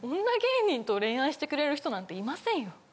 女芸人と恋愛してくれる人なんていませんよ。